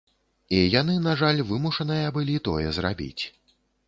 І яны, на жаль, вымушаныя былі тое зрабіць.